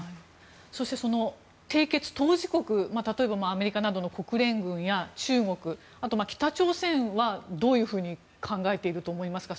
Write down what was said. そして、締結当事国例えばアメリカなどの国連軍や中国、あと北朝鮮はどういうふうに考えていると思いますか？